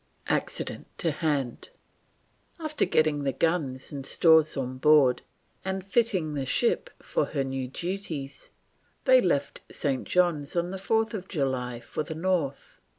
ACCIDENT TO HAND. After getting the guns and stores on board, and fitting the ship for her new duties, they left St. John's on 4th July for the north.